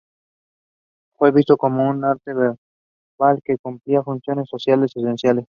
Fue visto como un arte verbal que cumplía funciones sociales esenciales.